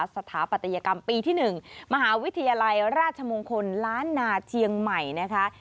สถาปัตยกรรมปีที่๑มหาวิทยาลัยราชมงคลล้านนาเชียงใหม่นะคะ